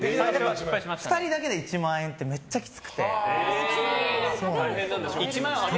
２人だけで１万円ってめっちゃきつくて。